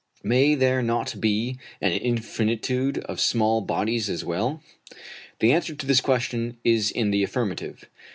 May there not be an infinitude of small bodies as well? The answer to this question is in the affirmative.